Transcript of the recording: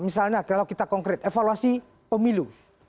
misalnya kalau kita konkret evaluasi pemilu